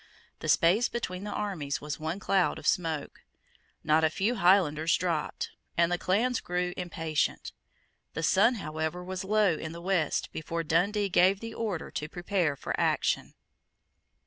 The space between the armies was one cloud of smoke. Not a few Highlanders dropped; and the clans grew impatient. The sun however was low in the west before Dundee gave the order to prepare for action.